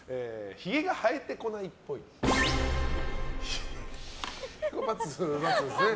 ヒゲが生えてこないっぽい。×ですね。